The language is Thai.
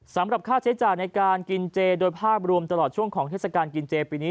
สำหรับค่าใช้จ่ายในการกินเจโดยภาพรวมตลอดช่วงของเทศกาลกินเจปีนี้